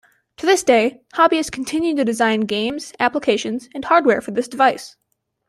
To this day, hobbyists continue to design games, applications, and hardware for this device.